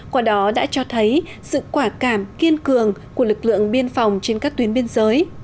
quả đó đã cho thấy sự quả cảm kiên cường của lực lượng biên phòng trên các tuyến biên giới